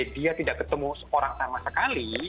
dia tidak ketemu orang sama sekali